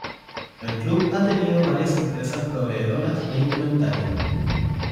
El club ha tenido varias empresas proveedoras de indumentaria.